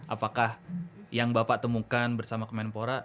apakah yang bapak temukan bersama kemenpora